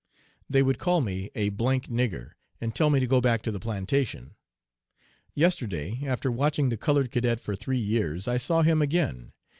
"'They would call me a nigger, and tell me to go back to the plantation.' "Yesterday, after watching the colored cadet for three years, I saw him again.